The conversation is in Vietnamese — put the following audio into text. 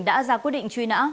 đã ra quyết định truy nã